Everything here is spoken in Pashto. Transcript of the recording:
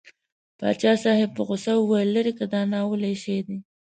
پاچا صاحب په غوسه وویل لېرې که دا ناولی شی دی.